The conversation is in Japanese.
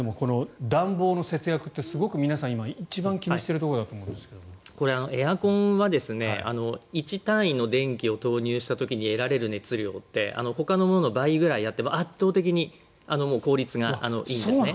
暖房の節約ってすごく皆さん一番気にしているところだとエアコンというのは１単位の電気を投入した時に得られる熱量ってほかのものの倍くらいあって圧倒的に効率がいいんですね。